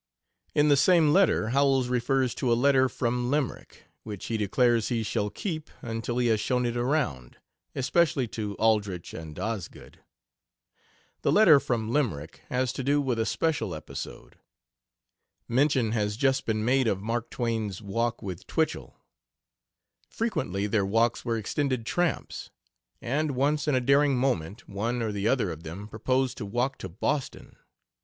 In the same letter Howells refers to a "letter from Limerick," which he declares he shall keep until he has shown it around especially to Aldrich and Osgood. The "letter from Limerick" has to do with a special episode. Mention has just been made of Mark Twain's walk with Twichell. Frequently their walks were extended tramps, and once in a daring moment one or the other of them proposed to walk to Boston.